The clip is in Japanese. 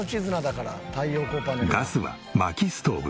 ガスは薪ストーブ。